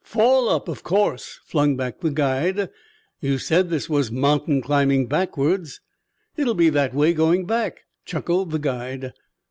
"Fall up, of course," flung back the guide. "You said this was mountain climbing backwards. It'll be that way going back," chuckled the guide.